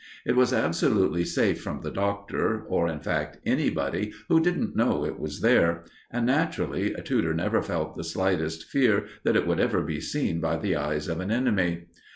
It was absolutely safe from the Doctor, or, in fact, anybody who didn't know it was there; and, naturally, Tudor never felt the slightest fear that it would ever be seen by the eyes of an enemy.